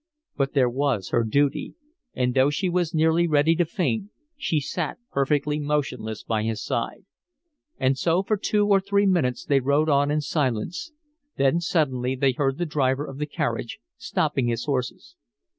But there was her duty; and though she was nearly ready to faint, she sat perfectly motionless by his side. And so for two or three minutes they rode on in silence; then suddenly they heard the driver of the carriage stopping his horses.